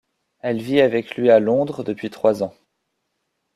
Elle vit avec lui à Londres depuis trois ans.